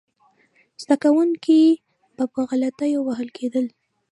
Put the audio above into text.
زده کوونکي به په غلطیو وهل کېدل.